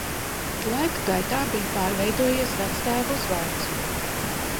Laika gaitā bija pārveidojies vectēva uzvārds.